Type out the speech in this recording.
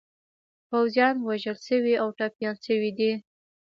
پوځیان وژل شوي او ټپیان شوي دي.